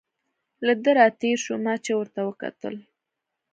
له ده را تېر شو، ما چې ورته وکتل.